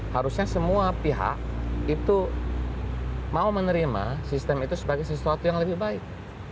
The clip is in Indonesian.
harusnya semua pihak itu mau menerima sistem itu sebagai sesuatu yang lebih baik